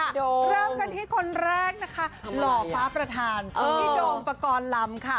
เริ่มกันที่คนแรกนะคะหล่อฟ้าประธานพี่โดมปกรณ์ลำค่ะ